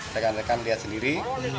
rekan rekan lihat sendiri